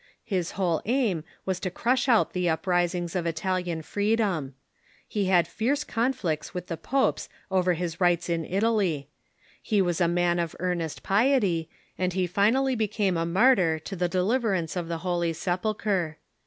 His whole aim was to crush out the uprisings of Ital ian freedom. He had fierce conflicts with the popes over his rights in Italy. He was a man of earnest piety, and he fin.ally became a martyr to the deliverance of the Holy Sepulchre.